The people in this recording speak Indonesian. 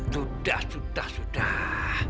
sudah sudah sudah